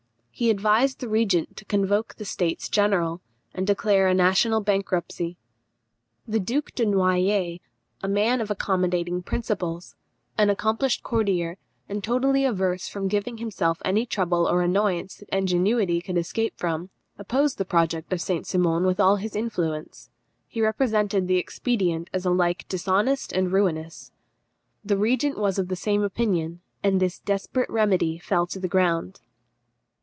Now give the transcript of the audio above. He advised the regent to convoke the states general, and declare a national bankruptcy. The Duke de Noailles, a man of accommodating principles, an accomplished courtier, and totally averse from giving himself any trouble or annoyance that ingenuity could escape from, opposed the project of St. Simon with all his influence. He represented the expedient as alike dishonest and ruinous. The regent was of the same opinion, and this desperate remedy fell to the ground.